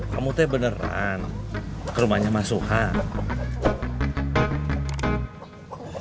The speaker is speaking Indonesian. kamu beneran ke rumahnya masuk ha